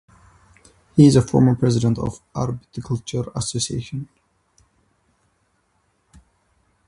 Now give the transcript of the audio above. He is a former president of the Arboricultural Association.